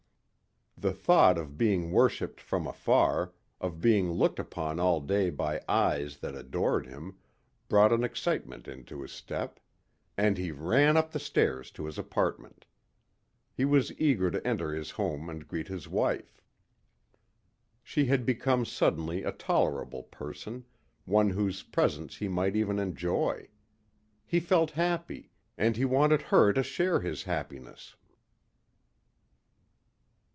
The thought of being worshipped from afar, of being looked upon all day by eyes that adored him, brought an excitement into his step. And he ran up the stairs to his apartment. He was eager to enter his home and greet his wife. She had become suddenly a tolerable person, one whose presence he might even enjoy. He felt happy and he wanted her to share his happiness.